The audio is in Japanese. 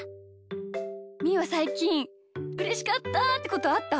みーはさいきんうれしかったってことあった？